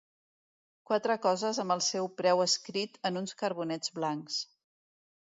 Quatre coses amb el seu preu escrit en uns cartonets blancs.